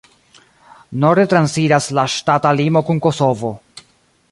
Norde transiras la ŝtata limo kun Kosovo.